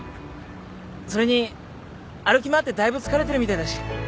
それに歩き回ってだいぶ疲れてるみたいだし。